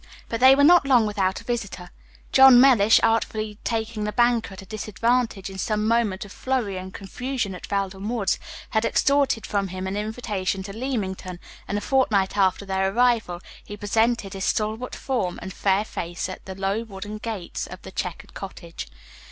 But they were not long without a visitor. John Mellish, artfully taking the banker at a disadvantage in some moment of flurry and confusion at Felden Woods, had extorted from him an invitation to Leamington, and a fortnight after their arrival he presented his stalwart form and fair face at the low, wooden gates of the checkered cottage.